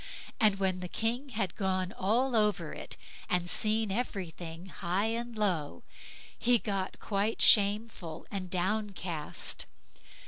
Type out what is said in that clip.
And when the King had gone all over it, and seen everything high and low, he got quite shameful and downcast.